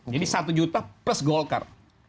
jadi satu juta plus golkar